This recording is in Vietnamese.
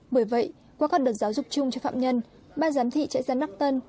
bởi vậy qua các đợt giáo dục chung cho phạm nhân ban giám thị trại giam đắc tân